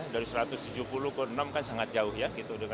dari satu ratus tujuh puluh ke enam kan sangat jauh ya